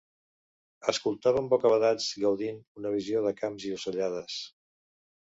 Escoltàvem bocabadats gaudint una visió de camps i ocellades.